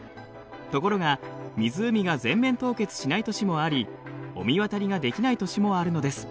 ところが湖が全面凍結しない年もあり御神渡りができない年もあるのです。